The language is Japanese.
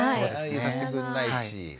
入れさせてくんないし。